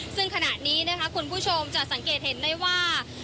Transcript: ซึ่งขณะนี้นะคะคุณผู้ชมจะสังเกตเห็นได้ว่า